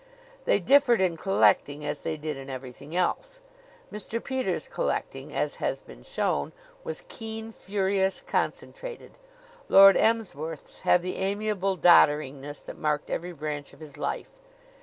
They differed in collecting as they did in everything else. Mr. Peters' collecting, as has been shown, was keen, furious, concentrated; Lord Emsworth's had the amiable dodderingness that marked every branch of his life.